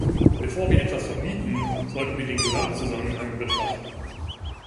Bevor wir etwas verbieten, sollten wir den Gesamtzusammenhang betrachten.